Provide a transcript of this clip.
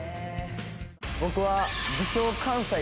僕は。